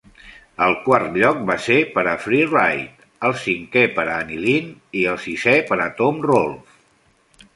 El quart lloc va ser per a Free Ride, el cinquè per a Anilin i el sisè per a Tom Rolfe.